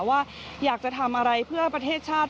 ว่าอยากจะทำอะไรเพื่อประเทศชาติ